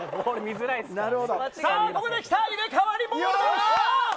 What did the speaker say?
ここで入れ替わりボールだ！